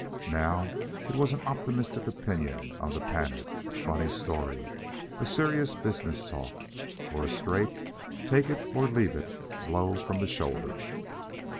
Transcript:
Now it was an optimistic opinion on the panic, a funny story, a serious business talk, or a straight take it or leave it blow from the shoulder.